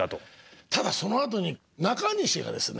ただそのあとに中西がですね